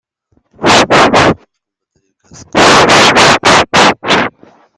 C’est pourquoi arriver à battre les Galates donnait un très grand prestige au vainqueur.